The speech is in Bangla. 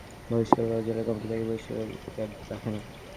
তবে গোলাম রব্বানী তখন বলেছিলেন, জেলা কমিটি তাঁকে বহিষ্কারের এখতিয়ার রাখে না।